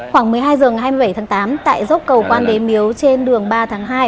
khoảng một mươi hai h ngày hai mươi bảy tháng tám tại dốc cầu quan đế miếu trên đường ba tháng hai